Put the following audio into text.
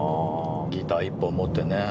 ギター１本持ってね。